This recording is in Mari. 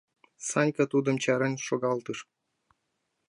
— Санька тудым чарен шогалтыш.